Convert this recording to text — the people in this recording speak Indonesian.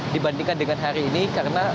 dibandingkan dengan hari ini karena